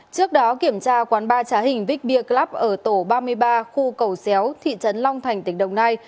trước đó kiểm tra quán ba trái hình vick beer club ở tổ ba mươi ba khu cầu xéo thị trấn long thành tỉnh đồng nai